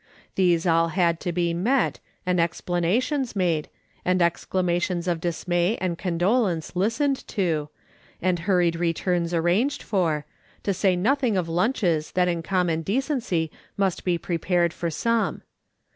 These all had to be met, and explanations made, and exclama tions of dismay and condolence listened to, and hurried returns arranged for, to say nothing of lunches that in common decency must be prepared for some.